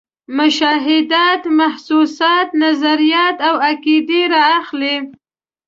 مشاهدات، محسوسات، نظریات او عقیدې را اخلي.